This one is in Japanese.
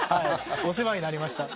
お世話になりました。